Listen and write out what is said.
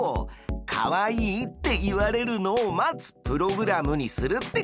「可愛い」って言われるのを待つプログラムにするってことだね！